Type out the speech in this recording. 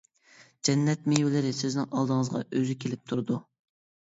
جەننەت مېۋىلىرى سىزنىڭ ئالدىڭىزغا ئۆزى كېلىپ تۇرىدۇ.